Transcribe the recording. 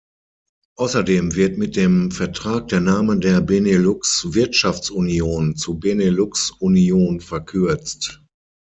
Außerdem wird mit dem Vertrag der Name der Benelux-Wirtschaftsunion zu Benelux-Union verkürzt.